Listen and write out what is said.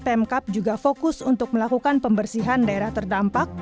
pemkap juga fokus untuk melakukan pembersihan daerah terdampak